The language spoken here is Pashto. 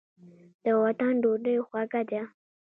د وطن ډوډۍ خوږه ده.